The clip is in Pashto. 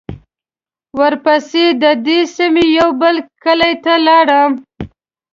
ورپسې د دې سیمې یوه بل کلي ته لاړو.